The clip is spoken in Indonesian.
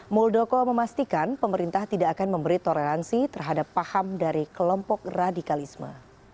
muldoko memastikan pemerintah tidak akan memberi toleransi terhadap paham dari kelompok radikalisme